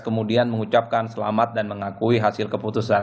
kemudian mengucapkan selamat dan mengakui hasil keputusan